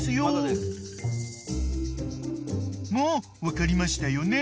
［もう分かりましたよね？］